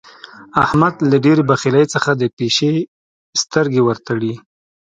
احمد له ډېرې بخيلۍ څخه د پيشي سترګې ور تړي.